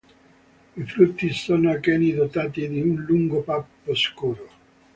I frutti sono acheni dotati di un lungo pappo scuro.